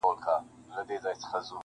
خامخا یې کر د قناعت ثمر را وړی دی,